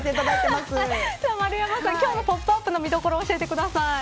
今日のポップＵＰ！の見どころ教えてください。